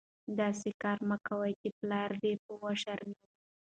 داسي کار مه کوئ، چي پلار دي په وشرمېږي.